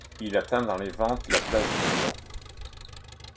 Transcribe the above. Il atteint dans les ventes la place de No.